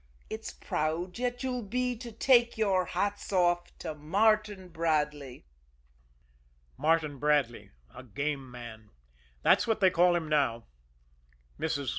It's proud yet you'll be to take your hats off to Martin Bradley!" Martin Bradley a game man that's what they call him now. Mrs.